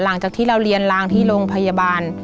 หลังจากที่เราเรียนล้างที่โรงพยาบาล